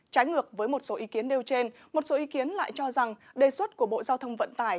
trái ngược với một số ý kiến đều trên một số ý kiến lại cho rằng đề xuất của bộ giao thông vận tải